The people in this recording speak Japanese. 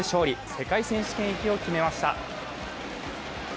世界選手権行きを決めました。